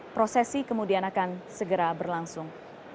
prosesi kemudian akan segera berlangsung